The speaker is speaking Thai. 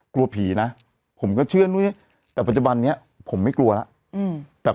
กลัวผีนะผมก็เชื่อนุ้ยแต่ปัจจุบันนี้ผมไม่กลัวแล้ว